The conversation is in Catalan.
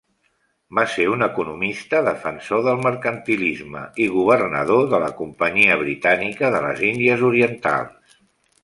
Va ser un economista defensor del mercantilisme i governador de la Companyia Britànica de les Índies Orientals.